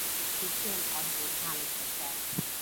He came out of retirement to accept.